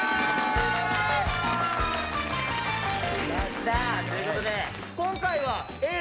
きました！ということで今回はＡぇ！